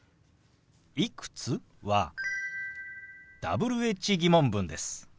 「いくつ？」はＷｈ−疑問文です。